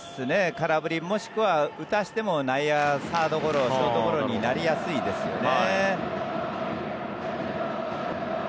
空振りもしくは打たせてもサードゴロ、ショートゴロになりやすいですよね。